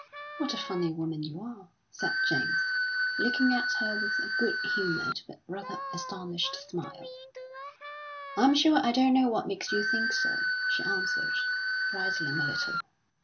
"What a funny woman you are!" said James, looking at her with a good humoured, but rather astonished smile. "I'm sure I don't know what makes you think so," she answered, bridling a little.